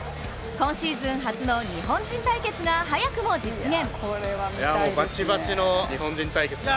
今シーズン初の日本人対決が早くも実現。